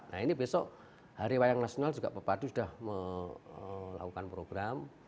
nah ini besok hari wayang nasional juga pepadu sudah melakukan program